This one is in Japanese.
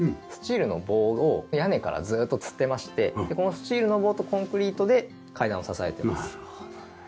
スチールの棒を屋根からずっとつってましてこのスチールの棒とコンクリートで階段を支えてます。